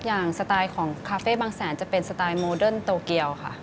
สไตล์ของคาเฟ่บางแสนจะเป็นสไตล์โมเดิร์นโตเกียวค่ะ